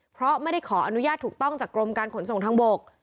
เพราะไม่ได้ขออนุญาตถูกต้องจากกรมการขนส่งทางบก